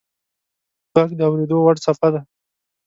• ږغ د اورېدو وړ څپه ده.